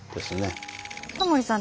タモリさん